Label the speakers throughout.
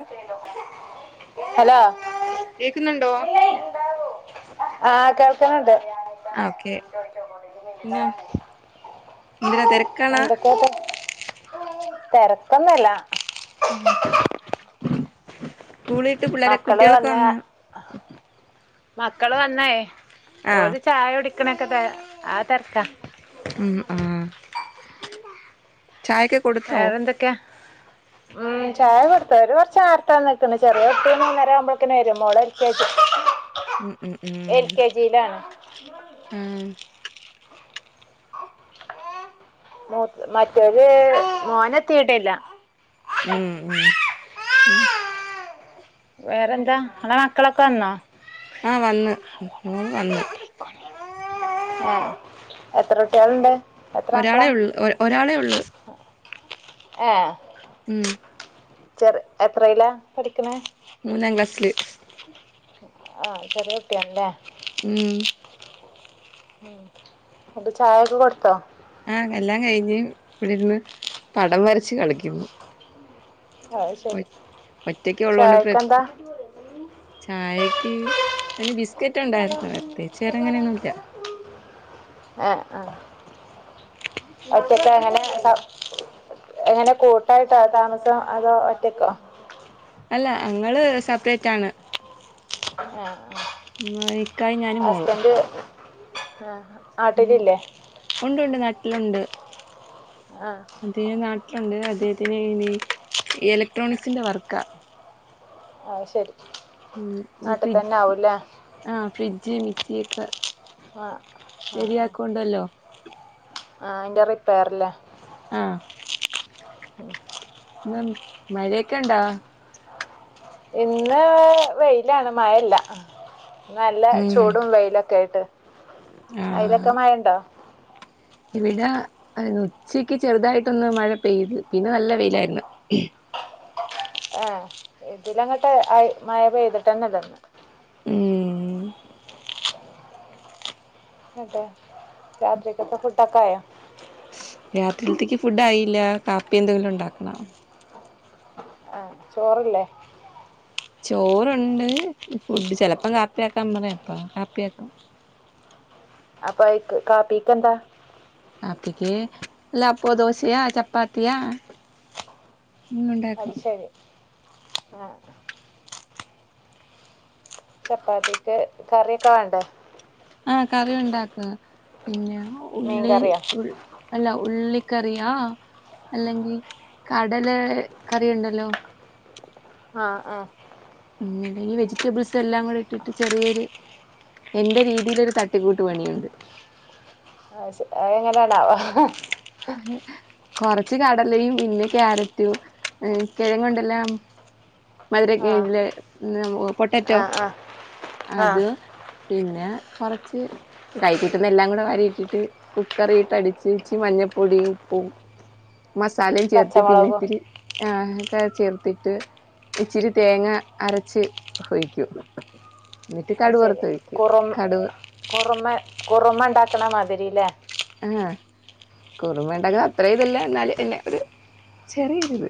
Speaker 1: ആ [inaudible]
Speaker 2: ഹലോ
Speaker 1: കേക്കുന്നുണ്ടോ
Speaker 2: ആ കേൾക് ണ്ട്
Speaker 1: ആ ഓക്കെ പിന്നെ എന്തിനാ തിരക്കാണാ
Speaker 2: എന്തൊക്കെയ തെര ക്കന്നല്ല
Speaker 1: ഉം [inaudible] സ്കൂൾ വിട്ട് പിള്ളേരെ
Speaker 2: മക്കള്
Speaker 1: കുട്ടികളൊക്കെ
Speaker 2: വന്ന
Speaker 1: വന്നോ
Speaker 2: മക്കള് വന്നേ ഒരു ചായ കുടി ഇക്കണൊക്കെ ആ തിരക്ക
Speaker 1: ഉം ആ ചായക്കെ കൊടുത്തോ
Speaker 2: വേറെന്തൊക്കെയാ ഉം ചായ കൊടുത്ത ഒരു കുറച്ച നേർത്താ വന്നക്കണ് ചെറിയ കുട്ടിമൂന്നരകുമ്പോളക്കനെ വരും ഓളെ എൽ കെ ജി
Speaker 1: ഉം ഉം ഉം
Speaker 2: എൽ കെ ജിയിലാണ്
Speaker 1: മ്
Speaker 2: മ മറ്റേല് മോനത്തിട്ടില്ല
Speaker 1: ഉം ഉം
Speaker 2: വേറെന്താ ഇങ്ങളെ മക്കളൊക്കെ വന്നോ
Speaker 1: മോൾ വന്ന്
Speaker 2: ആ എത്ര കുട്ടികളുണ്ട് എത്ര
Speaker 1: ഒരാളെ ഉള്ളു ഒ ഒരാളെ ഉള്ളു
Speaker 2: ആ
Speaker 1: ഉം
Speaker 2: ചെറ എത്രയില പഠിക്കുന്ന
Speaker 1: മൂന്നാം ക്ലാസ്സില്
Speaker 2: ആ ചെറിയ കുട്ടിയല്ലേ
Speaker 1: ഉം
Speaker 2: അപ്പൊ ചായൊക്കെ കൊടുത്തോ
Speaker 1: ആ എല്ലാം കഴിഞ്ഞ് ഇവിടെരുന്ന് പടം വരച്ച് കളിക്കുന്നു
Speaker 2: അത്
Speaker 1: ഒ
Speaker 2: ശരി
Speaker 1: ഒറ്റക്ക ഉള്ളതോണ്ട് പ്ര
Speaker 2: ചായക്കെന്താ
Speaker 1: ചായക്ക് ഓന് ബിസ്
Speaker 2: [unintelligible] ആ ആ ഒറ്റക്ക എങ്ങനെ എങ്ങനെ കൂട്ടായിട്ടാ താമസം അതോ ഒറ്റക്കോ
Speaker 1: അല്ല അങ്ങള് സപ്രൈറ്റ് ആണ്
Speaker 2: ആ
Speaker 1: ഇക്കായി ഞാന് മോളു
Speaker 2: ആ
Speaker 1: ഉം ഉണ്ട് ഉണ്ട് നാട്ടിലുണ്ട്
Speaker 2: ആഹ്
Speaker 1: ഇന്തിയെ നാട്ടിലുണ്ട് അദ്ദേഹത്തിന് ഇനി ഇലക്ട്രോണിക്സിന്റെ വർക്കാ
Speaker 2: ആ ശരി
Speaker 1: ഉം ഈ
Speaker 2: നാട്ടിൽ തന്നെ
Speaker 1: ഫ്രിഡ്ജ്
Speaker 2: ആവൂല്ലേ
Speaker 1: ആഹ് ഫ്രിഡ്ജ് മിക് സിയൊക്കെ
Speaker 2: ആഹ്
Speaker 1: ശരിയാക്കോണ്ടല്ലോ
Speaker 2: ആ ആന്റെറിപ്പേർല്ലാ
Speaker 1: ആ മഴയൊക്കെ ഇണ്ടാ
Speaker 2: ഇന്ന് വെയിലാണ് മഴയില്ല നല്ല
Speaker 1: ഉം
Speaker 2: ചൂടും വെയിലൊക്കെ ആയിട്ട് അയിലൊക്കെ
Speaker 1: ആഹ്
Speaker 2: മഴ ഉണ്ടോ
Speaker 1: ഇവിടെ ഉച്ചക്ക് ചെറുതായിട്ടൊന്ന് മഴ പെയ്ത് പിന്നെ നല്ല വെയിലായിരുന്നു
Speaker 2: ഏ ഇതിലങ്ങട്ട് മഴ പെയ്തിട്ടന്നെ ഇല്ലാരുന്നു
Speaker 1: ഉം
Speaker 2: അതെ രാത്രിക്കത്തെ ഫുഡ്‌ തക്കായ
Speaker 1: രാത്രിയിലിത്തേക്ക് ഫുഡ് ആയി ഇല്ല കാപ്പി എന്തെങ്കിലും ഉണ്ടാക്കണം
Speaker 2: ചോറല്ലേ
Speaker 1: ചോറുണ്ട് ഫുഡ് ചെലപ്പോം കാപ്പിയാക്കാൻ പറയും അപ്പോ കാപ്പിയാക്കും
Speaker 2: അപ്പൊ കാപ്പീക്ക് എന്താ
Speaker 1: കാപ്പിക്ക് അല്ല അപ്പോ ദോശയാ ചപ്പാത്തിയാ ഉണ്ടാക്കും
Speaker 2: അത് ശരി ആ ചപ്പാത്തിക്ക് കറിയൊക്കെ വേണ്ടേ
Speaker 1: ആ കറി ഉണ്ടാക്കുക പിന്നെ
Speaker 2: മീൻ
Speaker 1: ഉള്ളി
Speaker 2: കറിയോ
Speaker 1: അല്ല ഉള്ളി കറിയാ അല്ലെങ്കിൽ കടല കറി ഉണ്ടല്ലോ
Speaker 2: ആ ആ
Speaker 1: പിന്നണ്ടെങ്ങെ ഈ വെജിറ്റബിൾസ് എല്ലാം കൂടെ ഇട്ടിട്ട് ചെറിയൊരു എന്റെ രീതിയിലൊരു തട്ടിക്കൂട്ട് പണിയുണ്ട്
Speaker 2: ആ ശെരി എങ്ങനെയാണാവോ
Speaker 1: [unintelligible] കുറച്ച് കടലയും പിന്നെ ക്യാരറ്റും കിഴങ്ങ് ഉണ്ടല്ലാ മധുര കി
Speaker 2: ആഹ്
Speaker 1: ല്ലേ പൊട്ടറ്റോ
Speaker 2: ആഹ് ആഹ് ആഹ്
Speaker 1: അതും പിന്നെ കുറച്ച് കൈ കിട്ടുന്ന എല്ലാം കൂടെ വാരി ഇട്ടിട്ട് കുക്കറിട്ടടിച്ച് ഇച്ചി മഞ്ഞപ്പൊടിയും ഉപ്പും മസാലയും ചേർത്ത്
Speaker 2: പച്ചമുളകും
Speaker 1: പിന്നിത്തിരി ആ ഏ ചേർത്തിട്ട് ഇച്ചിരി തേങ്ങ അരച്ച് ഒഴിക്കും എന്നിട്ട്
Speaker 2: അത്
Speaker 1: കടുക്
Speaker 2: ശരി
Speaker 1: വറുത്തൊഴിക്കും
Speaker 2: കുറ
Speaker 1: കടുക്
Speaker 2: കുറുമ കുറുമ ഉണ്ടാക്കണ മതി മാതിറിലെ
Speaker 1: ആഹ് കുറുമ ഉണ്ടാക്കണ അത്ര ഇതില്ല എന്നല് എന്നെ ഒരു ചെറിയൊരിത്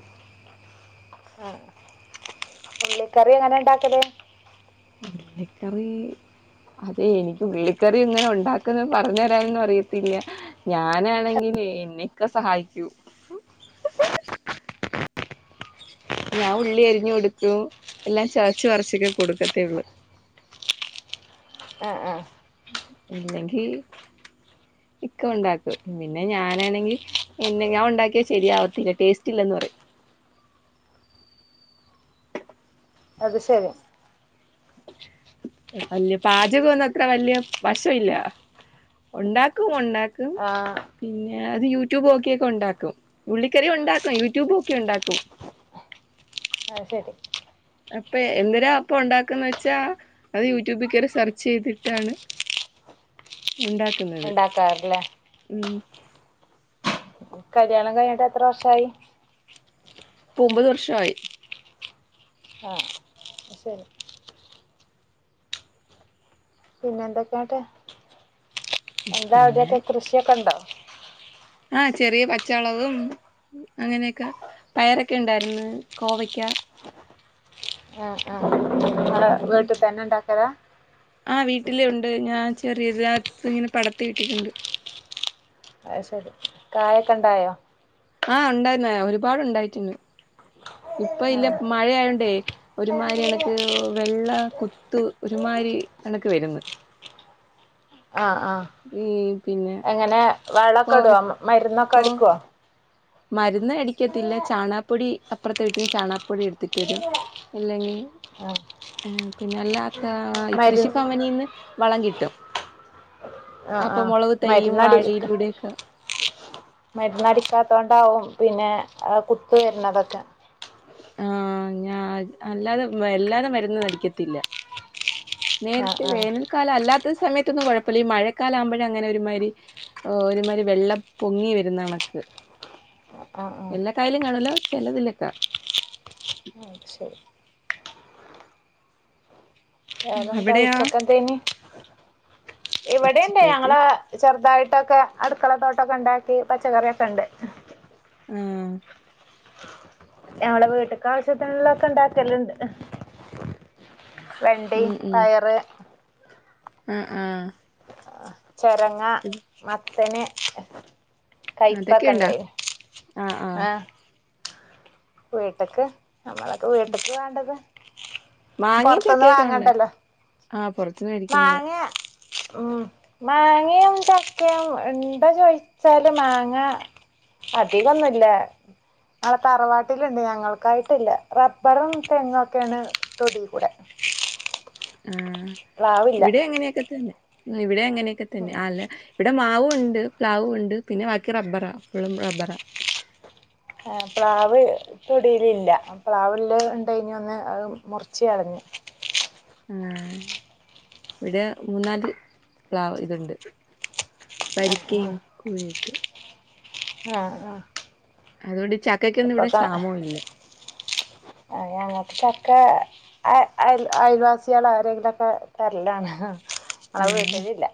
Speaker 2: ള്ളി കറി എങ്ങനെ ഉണ്ടാക്കല്
Speaker 1: ഉള്ളിക്കറി അതെ എനിക്ക് ഉള്ളിക്കറി എങ്ങനാ ഉണ്ടാക്കുന്നെന്ന് പറഞ്ഞു തരാനൊന്നും അറിയത്തില്ല ഞാനാണെങ്കിൽ എന്നിക്കോ സഹായിക്കൂ ഞാൻ ഉള്ളി അരിഞ്ഞ് കൊടുക്കും എല്ലാം ചതച്ചു പറച്ചൊക്കെ കൊടുക്കത്തേ ഉള്ളു
Speaker 2: ആഹ് ആഹ്
Speaker 1: ഇല്ലെങ്കി ഇക്ക ഉണ്ടാക്കും പിന്നെ ഞാനാണെങ്കി എന്നെ ഞാൻ ഉണ്ടാക്കിയാ ശരിയാവത്തില്ല ടേസ്റ്റ് ഇല്ലന്ന് പറയും
Speaker 2: അത് ശരി
Speaker 1: വല്യ പാചകൊന്നും അത്ര വല്യ വശമില്ല ഉണ്ടാക്കും ഉണ്ടാ മ്മ്
Speaker 2: ആഹ്
Speaker 1: പിന്നെ ഏഹ് അത് യൂട്യൂബ് നോക്കിയൊക്കെ ഉണ്ടാക്കും ഉള്ളിക്കറി ഉണ്ടാക്കും യൂട്യൂബ് നോക്കി ഉണ്ടാക്കും
Speaker 2: ആഹ് ശരി
Speaker 1: അപ്പൊ എങ്ങനാ അപ്പം ഉണ്ടാക്കുന്നെന്ന് വെച്ചാ അത് യൂട്യൂബിൽ കേറി സെർച്ച് ചെയ്തിട്ടാണ് ഉണ്ടാക്കുന്നത്
Speaker 2: ഉണ്ടാക്കാറില്ലേ
Speaker 1: മ്
Speaker 2: കല്യാണം കഴിഞ്ഞിട്ട് എത്ര വർഷായി
Speaker 1: ഇപ്പൊ ഒമ്പത് വർഷവായി
Speaker 2: ആഹ് ശരി പിന്നെ എന്തൊക്കെയാട്ടെ എന്താവിടൊക്കെ കൃഷിയൊക്കെ ഉണ്ടോ
Speaker 1: ആഹ് ചെറിയ പച്ചമുളകും അങ്ങനെയൊക്കെ പയറൊക്കെ ഉണ്ടായിരുന്നു കോവക്ക
Speaker 2: ആഹ് ആഹ് വീട്ടിൽ തന്നെ ഉണ്ടാക്ക ക്കള
Speaker 1: ആഹ് വീട്ടില് ഉണ്ട് ഞാൻ ചെറിയതിനകത്ത് ഇങ്ങനെ പടത്തി വിട്ടിട്ടുണ്ട്
Speaker 2: അഹ് ശരി കായൊക്കെ ഉണ്ടായോ
Speaker 1: ആഹ് ഉണ്ടായിരുന്ന് ഒരുപാടുണ്ടായിട്ടിണ്ട് ഇപ്പൊ ഇല്ല
Speaker 2: ആഹ്
Speaker 1: മഴയായോണ്ടേ ഒരുമാരി എനക്ക് വെള്ള കുത്ത് ഒരുമാരി എനക്ക് വരുന്ന്
Speaker 2: ആഹ് ആഹ്
Speaker 1: പിന്നെ
Speaker 2: എങ്ങനെ വളോക്കെ
Speaker 1: കോവ
Speaker 2: ഇടുവാ മരുന്നൊക്കെ
Speaker 1: കോ
Speaker 2: അടിക്കുവോ
Speaker 1: മരുന്ന് അടിക്കത്തില്ല ചാണകപ്പൊടി അപ്പുറത്തെ വീട്ടിൽന്ന് ചാണകപ്പൊടി എടുത്തിട്ട് വരും അല്ലെങ്കിൽ
Speaker 2: ആഹ്
Speaker 1: പിന്നല്ല താ ഈ
Speaker 2: മരു
Speaker 1: കൃഷി ഭവനീന്ന് വളം കിട്ടും [unintelligible]
Speaker 2: ആഹ്
Speaker 1: അപ്പൊ
Speaker 2: ആഹ്
Speaker 1: മുളക് തൈയും
Speaker 2: മരുന്നടി
Speaker 1: വാഴയിലൂടെയൊക്കെ
Speaker 2: മരുന്നടിക്കാത്തോൊണ്ട് ണ്ടാവും പിന്നെ കുത്ത് വരുന്നതൊക്കെ
Speaker 1: ആഹ് ഞാ അല്ലാതെ വല്ലാതെ മരുന്ന് അടിക്കത്തില്ല
Speaker 2: ആഹ്
Speaker 1: നേരത്തെ
Speaker 2: ആഹ്
Speaker 1: വേനൽ കാലം അല്ലാതെ. മഴ സമയത്തൊന്നും കുഴപ്പമില്ല ഈ മഴക്കാല ആകുമ്പോഴ അങ്ങനെ ഒരുമാരി ഒരുമാരി വെള്ളം പൊങ്ങി വരുന്ന കണക്ക്.
Speaker 2: ആഹ്
Speaker 1: എല്ലാ
Speaker 2: ആഹ്
Speaker 1: കായിലും കാണൂല്ല. ചെലതിലൊക്കെ
Speaker 2: ശരി
Speaker 1: [unintelligible]
Speaker 2: വേറെന്താ
Speaker 1: അവിടെയാ
Speaker 2: ഉച്ചക്കത്തിന്.
Speaker 1: ഒച്ചക്ക് കേട്ട്
Speaker 2: ഫുഡുയൊക്കെ അടുക്കളത്തോട്ടയൊക്കെ ഉണ്ടാക്കി പച്ചക്കറിയൊക്കെ ഉണ്ട്.
Speaker 1: ആഹ്
Speaker 2: ഞങ്ങള് വീട്ടക്കാവശ്യത്തിനുള്ള ഒക്കെ ഇണ്ടാക്കലുണ്ട്. വെണ്ടയും
Speaker 1: ഉം ഉം
Speaker 2: പയറും
Speaker 1: ആഹ് ആഹ്
Speaker 2: ചരങ്ങ മത്ത തന്നെ
Speaker 1: അതൊക്കെ
Speaker 2: കയ്പ്പക്കെ
Speaker 1: ഉണ്ടാ
Speaker 2: ഇണ്ടായി ആഹ് വീട്ടക്ക് നമ്മളൊക്കെ വീട്ടിക്ക് വേണ്ടത്.
Speaker 1: മാങ്ങയും
Speaker 2: പുറത്തുന്ന്
Speaker 1: ചക്കയൊക്കെ ഉണ്ട്
Speaker 2: വാങ്ങണ്ടല്ലോ.
Speaker 1: ആഹ് പുറത്തുന്ന് മേടിക്കേണ്ട.
Speaker 2: മാങ്ങ ഉം മാങ്ങയും ചക്കയും ഇണ്ടോ ചോദിച്ചാല് മാങ്ങ അധികമൊന്നില്ല ആ തറവാട്ടിലുണ്ട് ഞങ്ങൾക്കായിട്ടില്ല റബ്ബറും തെങ്ങ് ഒക്കെയാണ് തൊടികൂടെ.
Speaker 1: ആഹ് ഇവിടെ അങ്ങനെയൊക്കെ തന്നെ. ഇവിടെ അങ്ങനെയൊക്കെ തന്നെ
Speaker 2: ഉം
Speaker 1: അല്ല ഇവിടെ മാവ് ഉ ഉണ്ട് പ്ലാവുണ്ട് പിന്നെ ബാക്കി റബ്ബറാ ഫുള്ളും റബ്ബറാ.
Speaker 2: ആഹ് പ്ലാവ് തൊടിയിൽ ഇല്ല. പ്ലാവിൽ ഉണ്ടായി കഴിഞ്ഞുന്ന്. അത് മുറിച്ചു കളഞ്ഞു.
Speaker 1: ആഹ് ഇവിടെ മൂന്നാല് പ്ലാവ് ഇതുണ്ട്. വരിക്കയും കുഴയുണ്ട്.
Speaker 2: ആഹ് ആഹ്
Speaker 1: അതുകൊണ്ട് ചക്കക്കൊന്നും ഇവിടെ
Speaker 2: ഇപ്പൊക്കെ
Speaker 1: ക്ഷാമവും ഇല്ല.
Speaker 2: ക്ക അയ അയ അയൽവാസികൾ ആരെങ്കിലുമൊക്കെ തരലാണ് ഞങ്ങളെ
Speaker 1: ആഹ്
Speaker 2: വീട്ടിലില്ല.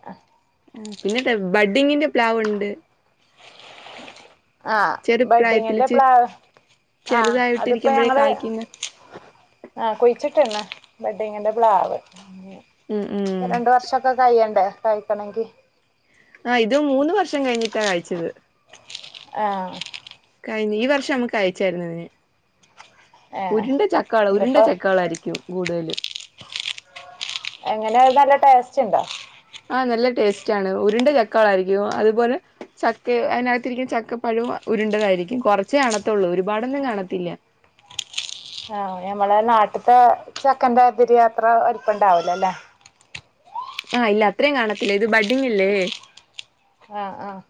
Speaker 1: പിന്നെ ബഡ്ഡിങ്ങിന്റെ പ്ലാവുണ്ട്.
Speaker 2: ആഹ്
Speaker 1: ചെറുപ്രായത്തില്
Speaker 2: ബഡ്ഡിങ്ങിന്റെ
Speaker 1: ചെ
Speaker 2: പ്ലാവ് ആഹ് അതിപ്പോ
Speaker 1: ചെറുതായിട്ടിരിക്കുമ്പോഴേ
Speaker 2: ഞങ്ങള്
Speaker 1: കായ്ക്കുന്ന
Speaker 2: ആഹ് കുഴിച്ചിട്ടന്ന്. ബഡ്ഡിങ്ങിന്റെ പ്ലാവ്.
Speaker 1: ഉം ഉം
Speaker 2: രണ്ട് വർഷയൊക്കെ കഴിയണ്ടേ. യിക്കണങ്കിൽ
Speaker 1: ആഹ് ഇത് മൂന്ന് വർഷം കഴിഞ്ഞിട്ടാ കായിച്ചത്.
Speaker 2: ആഹ്
Speaker 1: കഴിഞ്ഞ ഈ വർഷം നമ്മുക്ക് കായിച്ചായിരുന്നു.
Speaker 2: ഏഹ്
Speaker 1: ഉരുണ്ട ചക്കകളാ ഉരുണ്ട
Speaker 2: ഇതിപ്പോ
Speaker 1: ചക്കകളായിരിക്കും. [unintelligible]
Speaker 2: എങ്ങനെ നല്ല ടേസ്റ്റ് ഉണ്ടോ?
Speaker 1: ആ നല്ല ടേസ്റ്റ് ആണ് ഉരുണ്ട ചക്കകളായിരിക്കും അതുപോലെ ചക്ക അതിനകത്തിരിക്കുന്ന ചക്ക പഴവും ഉരുണ്ടതായിരിക്കും കൊറച്ചേ കാണത്തുള്ളൂ ഒരുപാടൊന്നും കാണത്തില്ല.
Speaker 2: ആഹ് ഞമ്മളെ നാട്ടത്തെ ചക്കന്റാ തിരി അത്ര വലുപ്പണ്ടാവലോല്ലേ?
Speaker 1: ആഹ് ഇല്ല അത്രയും കാണത്തില്ല ഇത് ബഡ്ഡിങ്ങല്ലേ?
Speaker 2: ആഹ് ആഹ്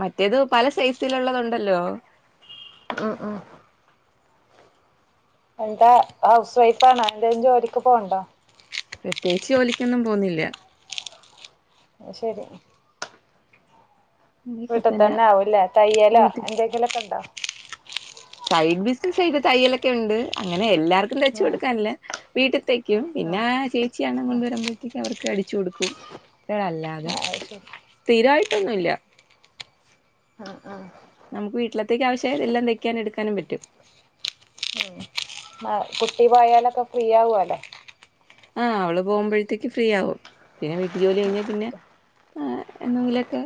Speaker 1: മറ്റേത് പല സൈസിലുള്ളതുണ്ടല്ലോ?
Speaker 2: ഉം ഉം എന്താ ഹൗസ് വൈഫ് ആണോ? എന്തേലും ജോലിക്ക് പോണുണ്ടോ?
Speaker 1: പ്രത്യേകിച്ച് ജോലിക്കൊന്നും പോന്നില്ല.
Speaker 2: ശരി.
Speaker 1: ഇങ്ങനെയൊക്കെ തന്നെ
Speaker 2: വീട്ടിത്തന്നെ ആവൂല്ലേ തയ്യലോ
Speaker 1: വീട്ടിൽ
Speaker 2: എന്തെങ്കിലൊക്കെ ഉണ്ടോ?
Speaker 1: സൈഡ് ബിസിനസായിട്ട് തയ്യലൊക്കെ ഉണ്ട് അങ്ങനെ എല്ലാ വർക്കും തച്ചു
Speaker 2: ആഹ്
Speaker 1: കൊടുക്കാനല്ല വീട്ടി തൈ ക്കും പിന്നാ
Speaker 2: ആഹ്
Speaker 1: ചേച്ചിയാ അണ്ണൻ കൊണ്ടു വരുമ്പോഴത്തേക്കും അവർക്ക് അടിച്ചു കൊടുക്കും അല്ലാതെ
Speaker 2: ആഹ് അത് ശരി
Speaker 1: സ്ഥിരായി ട്ടൊന്നുഇല്ല.
Speaker 2: ആ ആ
Speaker 1: നമുക്ക് വീട്ടിലത്തേക്ക് ആവശ്യം എല്ലാം തയ്ക്കാനും എടുക്കാനും പറ്റും.
Speaker 2: ഓ അ കുട്ടി പോയാലൊക്കെ ഫ്രീ ആവാല്ലോ
Speaker 1: ആ അവള് പോകുമ്പോഴത്തേക്ക് ഫ്രീ ആകും. പിന്നെ വീട്ടു ജോലി കഴിഞ്ഞാൽ പിന്നെ ആഹ് എന്തെങ്കിലൊക്കെ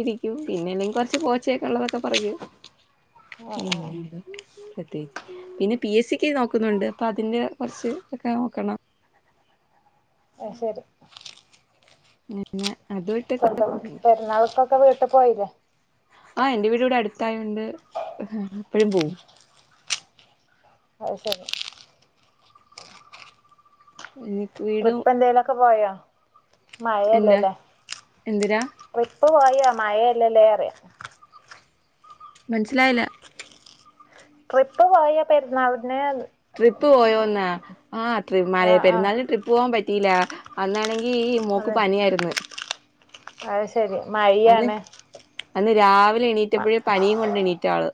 Speaker 1: ഇരിക്കും. പിന്നല്ലെങ്കിൽ കൊറച്ച് പോച്ചയൊക്കെ ഉള്ളതൊക്കെ പറിക്കും.
Speaker 2: ആഹ് ആഹ്
Speaker 1: പിന്നെന്താ പ്രത്യേകിച്ച് പിന്നെ പി എസ് സിക്ക് നോക്കുന്നുണ്ട് അപ്പൊ അതിന്റെ കുറച്ച് ഒക്കെ നോക്കണം.
Speaker 2: ഓ ശരി
Speaker 1: [unintelligible]
Speaker 2: സ്വന്തം
Speaker 1: പോന്നു
Speaker 2: പെരുന്നാൾക്കൊക്കെ വീട്ടിപോയില്ലേ?
Speaker 1: ആ എന്റെ വീട് ഇവിടെ അടുത്തായോണ്ട് എപ്പഴും പോവും.
Speaker 2: അത് ശരി
Speaker 1: എനി
Speaker 2: ട്രിപ്പെന്തേലൊക്കെ പോയോ? വ
Speaker 1: എന്താ
Speaker 2: മഴയല്ലേല്ലേ
Speaker 1: എന്തിരാ
Speaker 2: ട്രിപ്പ് പോയോ? മയ അല്ലല്ലേ അറിയാം
Speaker 1: മനസിലായില്ല
Speaker 2: ട്രിപ്പ് പോയോ പെരുന്നാൾ
Speaker 1: ട്രിപ്പ് പോയോന്നാ ആ ട്രി മഴയാ
Speaker 2: ആഹ് ആഹ്
Speaker 1: പെരുന്നാളിന് ട്രിപ്പ് പോവാൻ പറ്റിയില്ല. അന്നാണെങ്ക ഈ മോക്ക് പനിയാരിന്ന്
Speaker 2: അയ്
Speaker 1: അന്ന് അന്ന് രാവിലെ എണീറ്റപ്പഴേ പനിയും കൊണ്ട് എണീറ്റാള്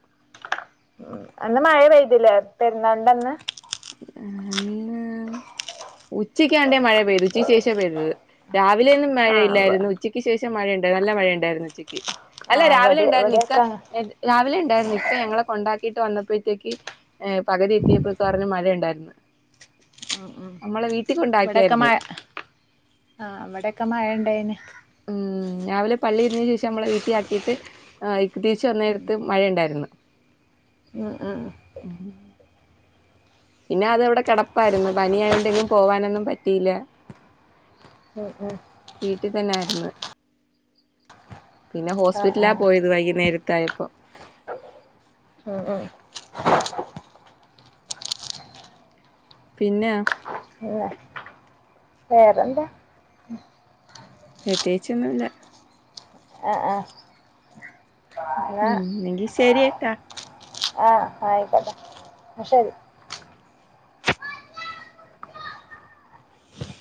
Speaker 2: ഉ അന്ന് മഴ പെയ്തില്ലേ പെരുന്നാൾൻ്റന്ന്
Speaker 1: അന്ന് ഉച്ചെക്കാണ്ടേ മഴ പെയ്ത് ഉച്ചയ്ക്ക് ശേഷം പെയ്തത് രാവ് ലെന്നും
Speaker 2: ആഹ്
Speaker 1: മഴയില്ലാരുന്നു ഉച്ചയ്ക്ക് ശേഷ് ഉച്ച മഴണ്ടായി നല്ല മഴണ്ടായിരുന്നു ഉച്ചക്ക് അല്ല
Speaker 2: ആഹ്
Speaker 1: രാവിലെ
Speaker 2: ഇവിടെ
Speaker 1: ഉണ്ടായിരുന്നു ഇക്ക
Speaker 2: ഇവിടെയൊക്കെ
Speaker 1: രാവിലെ ണ്ടാരുന്നു ഇക്ക ഞങ്ങളെ കൊണ്ടാക്കീട്ട് വന്നപ്പോഴ്ത്തേക്ക് ഏ പകുതി എത്തിയപ്പോ ഇക്കർഞ്ഞ് മഴ ഉണ്ടായിരുന്നു നമ്മളെ വീ
Speaker 2: ഇവെടൊക്കെ മഴ് ആഹ് ഇവെടൊക്കെ മഴണ്ടേന്
Speaker 1: ഉം രാവിലെ പള്ളി ഇരിഞ്ഞേന് ശേഷം നമ്മളെ വീട്ടി ആക്കീട്ട് ആ തിരിച്ച് വന്നേരത്ത് മഴയിണ്ടാരുന്നു
Speaker 2: അ അ
Speaker 1: പിന്നെ അതവ്ടെ കെട പ്പാരുന്നു പനിയായോണ്ട് എങ്ങും പോവാനൊന്നും പ റ്റീല
Speaker 2: ഉം ഉം
Speaker 1: വീട്ടിതന്നാര്ന്ന് പിന്ന
Speaker 2: ആഹ്
Speaker 1: ഹോസ്പിറ്റലാ
Speaker 2: ആഹ്
Speaker 1: പോയത് വൈകുന്നേരത്തായ് പൊ
Speaker 2: ഉം ഉം
Speaker 1: പിന്നെ
Speaker 2: [unintelligible] വേറെന്താ
Speaker 1: പ്രത്യേകിച്ചൊന്നുല്ല
Speaker 2: ആ ആ
Speaker 1: ഉം എങ്കിൽ ശരിയേട്ടാ
Speaker 2: ആഹ് ആയിക്കോട്ടെ ന്ന ശരി